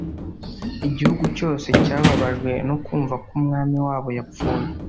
Igihugu cyose cyababajwe no kumva ko umwami wabo yapfuye